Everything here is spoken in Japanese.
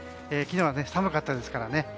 昨日は寒かったですからね。